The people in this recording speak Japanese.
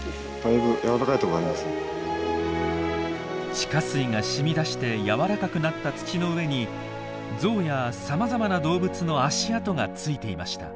地下水がしみ出して柔らかくなった土の上にゾウやさまざまな動物の足跡がついていました。